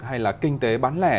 hay là kinh tế bán lẻ